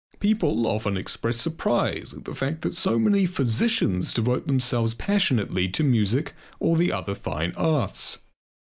People often express surprise at the fact that so many physicians devote themselves passionately to music or the other fine arts.